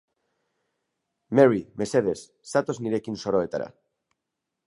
Mary, mesedez, zatoz nirekin soroetara.